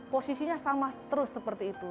posisinya sama terus seperti itu